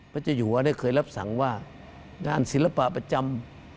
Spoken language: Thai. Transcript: พระเจ้าอยู่หัวเคยรับสั่งว่างานศิลปะประจำ